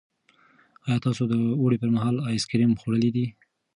ایا تاسو د اوړي پر مهال آیس کریم خوړلي دي؟